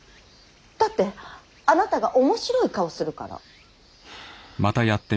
だってあなたが面白い顔するから。